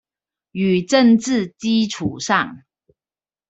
與政治基礎上